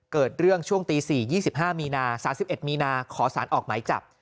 เกิดเรื่องช่วงตี๔๒๕มีนา๓๑มีนาขอสารออกหมายจับ